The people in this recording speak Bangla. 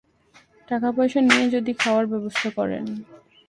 টাকা পয়সা নিয়ে যদি খাওয়ার ব্যবস্থা করেন।